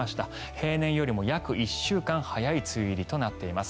平年よりも約１週間早い梅雨入りとなっています。